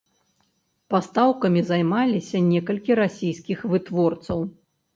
Пастаўкамі займаліся некалькі расійскіх вытворцаў.